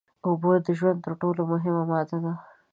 اوبه د ژوند تر ټول مهمه ماده ده